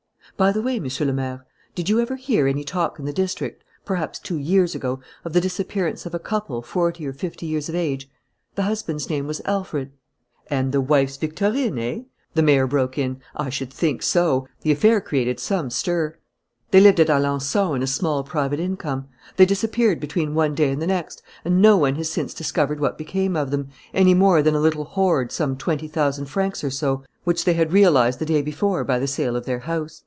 "By the way, Monsieur le Maire, did you ever hear any talk in the district, perhaps two years ago, of the disappearance of a couple forty or fifty years of age? The husband's name was Alfred " "And the wife's Victorine, eh?" the mayor broke in. "I should think so! The affair created some stir. They lived at Alençon on a small, private income; they disappeared between one day and the next; and no one has since discovered what became of them, any more than a little hoard, some twenty thousand francs or so, which they had realized the day before by the sale of their house.